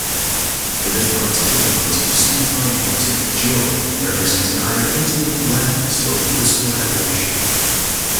For this particular motif signified "beatific joy", representing either "intimate gladness or blissful adoration.